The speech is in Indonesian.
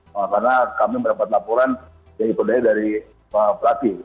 karena kami mendapat laporan dari pelatih